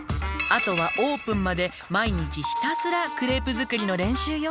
「あとはオープンまで毎日ひたすらクレープ作りの練習よ」